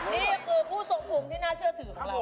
นี่คือผู้สงฆมที่น่าเชื่อถือกับเรา